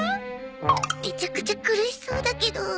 めちゃくちゃ苦しそうだけど。